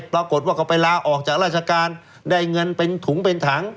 ปรากฏว่าก็ไปลาออกจากราชการได้เงินเป็นถุงเป็นถัง